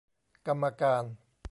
กรรมการ